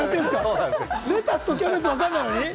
レタスとキャベツわかんないのに？